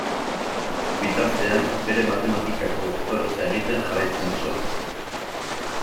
Bitartean, bere matematikako doktoretza egiten jarraitzen zuen.